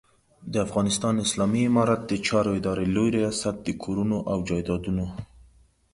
د افغانستان اسلامي امارت د چارو ادارې لوی رياست د کورونو او جایدادونو